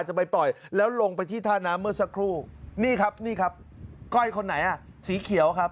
จะไปปล่อยแล้วลงไปที่ท่าน้ำเมื่อสักครู่นี่ครับนี่ครับก้อยคนไหนอ่ะสีเขียวครับ